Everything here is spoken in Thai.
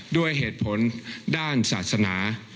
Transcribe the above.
ด้วยเหตุผลด้านศาสนา